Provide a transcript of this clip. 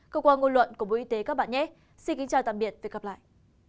cơ quan ngôn luận của bộ y tế các bạn nhét xin kính chào tạm biệt và hẹn gặp lại